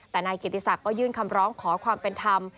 แต่นายกิติศักดิ์ก็ยื่นคำร้องขอความเป็นธรรม